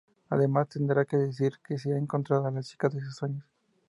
Además, tendrá que decidir si ha encontrado a la chica de sus sueños.